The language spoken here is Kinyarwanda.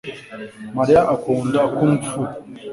Mariya akunda kung fu